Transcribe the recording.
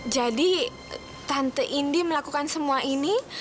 jadi tante indy melakukan semua ini